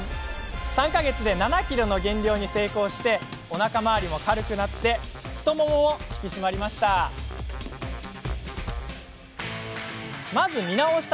３か月で７ｋｇの減量に成功しおなか周りも軽くなり太ももも引き締まりました。